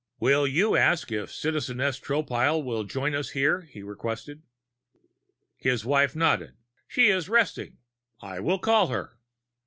"Will you ask if Citizeness Tropile will join us here?" he requested. His wife nodded. "She is resting. I will call her."